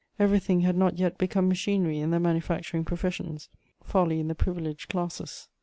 Everything had not yet become machinery in the manufacturing professions, folly in the privileged classes.